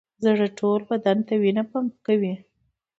زړه ټول بدن ته وینه پمپ کوي